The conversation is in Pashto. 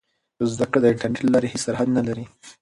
زده کړه د انټرنیټ له لارې هېڅ سرحد نه لري.